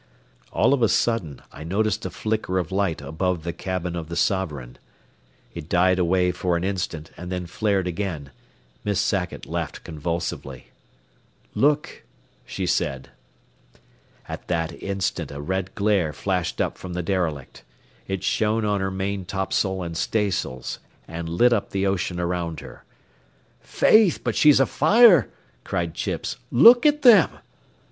All of a sudden I noticed a flicker of light above the cabin of the Sovereign. It died away for an instant and then flared again, Miss Sackett laughed convulsively. "Look," she said. At that instant a red glare flashed up from the derelict. It shone on her maintopsail and staysails and lit up the ocean around her. "Faith, but she's afire," cried Chips. "Look at them."